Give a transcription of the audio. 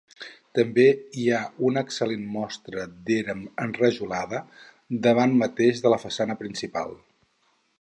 També hi ha una excel·lent mostra d'era enrajolada, davant mateix de la façana principal.